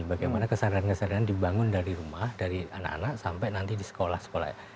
bagaimana kesadaran kesadaran dibangun dari rumah dari anak anak sampai nanti di sekolah sekolah